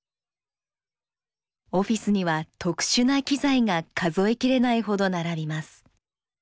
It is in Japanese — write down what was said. オフィスには特殊な機材が数え切れないほど並びます。